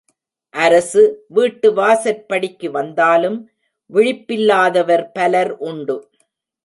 அரசு, வீட்டு வாசற் படிக்கு வந்தாலும் விழிப்பில்லாதவர் பலர் உண்டு.